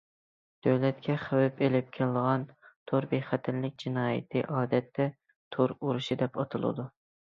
دۆلەتكە خەۋپ ئېلىپ كېلىدىغان تور بىخەتەرلىك جىنايىتى ئادەتتە تور ئۇرۇشى دەپ ئاتىلىدۇ.